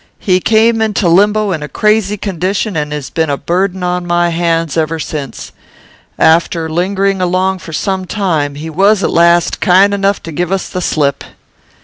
He came into limbo in a crazy condition, and has been a burden on my hands ever since. After lingering along for some time, he was at last kind enough to give us the slip.